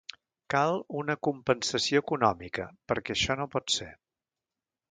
Cal una compensació econòmica perquè això no pot ser.